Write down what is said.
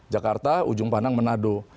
jakarta ujung panang menado